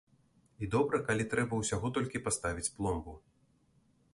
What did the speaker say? І добра, калі трэба ўсяго толькі паставіць пломбу.